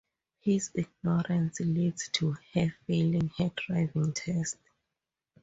His ignorance leads to her failing her driving test.